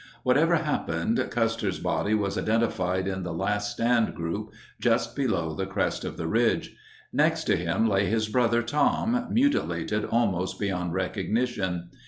Whatever happened, Cus ter's body was identified in the last stand group, just below the crest of the ridge. Next to him lay his brother Tom, mutilated almost beyond recognition.